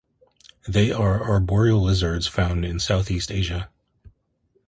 They are arboreal lizards found in Southeast Asia.